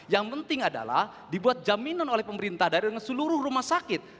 yang penting adalah dibuat jaminan oleh pemerintah dari seluruh rumah sakit